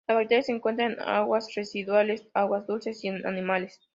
La bacteria se encuentra en aguas residuales, agua dulce y en animales.